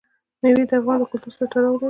مېوې د افغان کلتور سره تړاو لري.